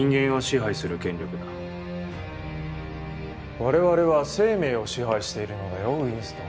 我々は生命を支配しているのだよウィンストン。